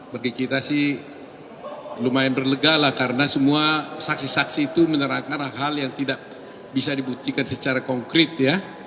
bagi kita sih lumayan berlega lah karena semua saksi saksi itu menerapkan hal hal yang tidak bisa dibuktikan secara konkret ya